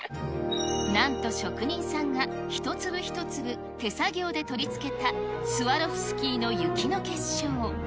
なんと職人さんが、一粒一粒手作業で取り付けたスワロフスキーの雪の結晶。